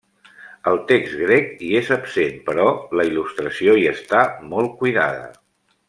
El text grec hi és absent, però la il·lustració hi està molt cuidada.